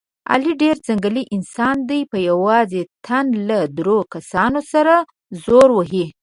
علي ډېر ځنګلي انسان دی، په یوازې تن له دور کسانو سره زور وهي.